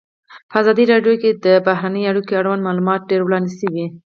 په ازادي راډیو کې د بهرنۍ اړیکې اړوند معلومات ډېر وړاندې شوي.